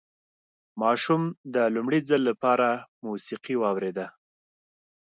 ماشوم د لومړي ځل لپاره موسيقي واورېده.